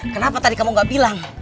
kenapa tadi kamu gak bilang